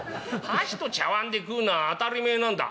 箸と茶わんで食うのは当たり前なんだ。